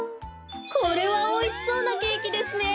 これはおいしそうなケーキですね。